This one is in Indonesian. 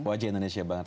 wajah indonesia banget